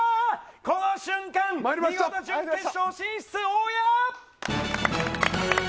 この瞬間、見事準決勝進出大矢！